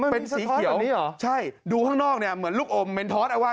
เป็นสีเฉียวดูข้างนอกเหมือนลูกอมเม็ดทอส